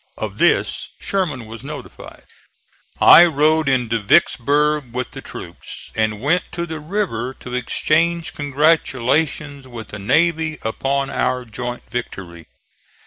Of this Sherman was notified. I rode into Vicksburg with the troops, and went to the river to exchange congratulations with the navy upon our joint victory.